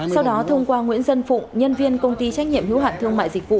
sau đó thông qua nguyễn dân phụng nhân viên công ty trách nhiệm hữu hạn thương mại dịch vụ